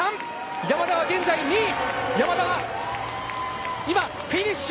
山田は現在２位山田、今フィニッシュ。